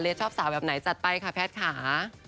อเลสชอบสาวแบบไหนจัดไปค่ะแฟทค่ะ